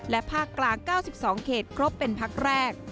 และภาคกลาง๙๒เขตครบเป็นพักแรก